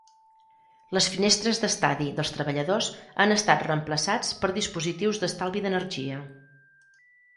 Les finestres d'estadi dels Treballadors han estat reemplaçats per dispositius d'estalvi d'energia.